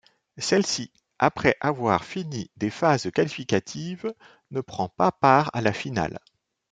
Celle-ci, après avoir fini des phases qualificatives, ne prend pas part à la finale.